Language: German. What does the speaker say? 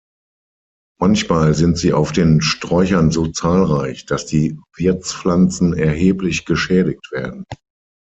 Manchmal sind sie auf den Sträuchern so zahlreich, dass die Wirtspflanzen erheblich geschädigt werden.